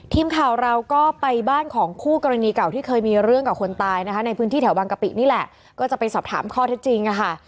ทีมข่าวเราก็ไปบ้านของคู่กรณีเก่าที่เคยมีเรื่องกับคนตายนะคะในพื้นที่แถวบางกะปินี่แหละก็จะไปสอบถามข้อเท็จจริงค่ะ